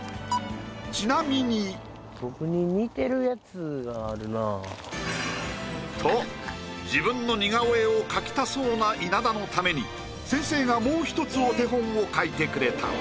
ちなみに。と自分の似顔絵を描きたそうな稲田のために先生がもう一つお手本を描いてくれた。